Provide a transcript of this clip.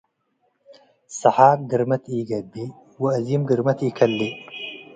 ሰሓቅ ግርመት ኢገብእ ወአዚም ግርመት ኢከልእ።